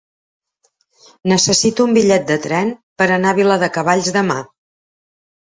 Necessito un bitllet de tren per anar a Viladecavalls demà.